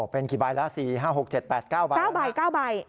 เป็นกี่ใบแล้ว๔๕๖๗๘๙ใบ